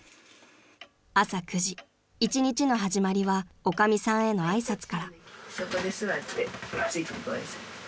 ［朝９時一日の始まりは女将さんへの挨拶から］